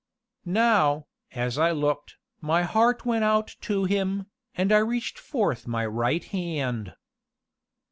Now, as I looked, my heart went out to him, and I reached forth my right hand.